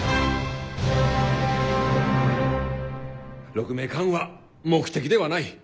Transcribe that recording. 鹿鳴館は目的ではない。